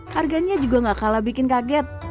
harganya juga gak kalah bikin kaget